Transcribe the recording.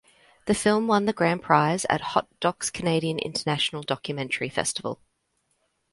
The film won the grand prize at Hot Docs Canadian International Documentary Festival.